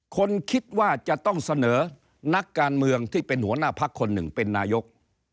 คนคิดว่าจะต้องเสนอนักการเมืองที่เป็นหัวหน้าพักคนหนึ่งเป็นนายก